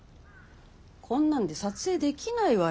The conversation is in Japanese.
こんなんで撮影できないわよ。